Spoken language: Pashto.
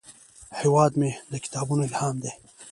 هیواد مې د کتابونو الهام دی